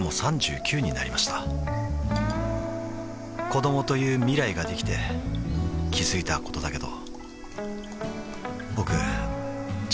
子どもという未来ができて気づいたことだけど